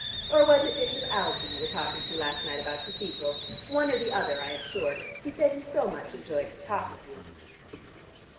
Or was it Bishop Algie you were talking to last night about cathedrals? One or the other, I am sure. He said he so much enjoyed his talk with you."